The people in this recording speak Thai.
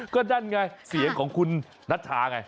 ก็นั่นไงเสียงของคุณนัชชาไง